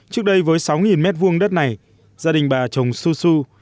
trước đây với sáu mét vuông đất này gia đình bà trồng su su